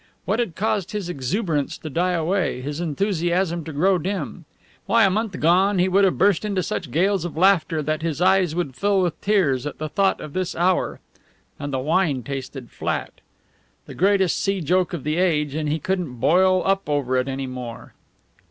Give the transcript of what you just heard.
What had caused his exuberance to die away, his enthusiasm to grow dim? Why, a month gone he would burst into such gales of laughter that his eyes would fill with tears at the thought of this hour! And the wine tasted flat. The greatest sea joke of the age, and he couldn't boil up over it any more!